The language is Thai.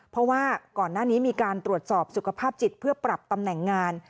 เพราะว่าก่อนหน้านี้มีการตรวจสอบสุขภาพจิตเพื่อปรับตำแหน่งงาน